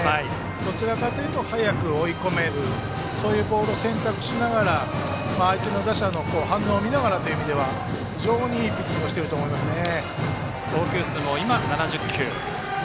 どちらかというと早く追い込めるそういうボールを選択しながら相手打者の反応を見ながらという非常にいいピッチングをしていると思いますね。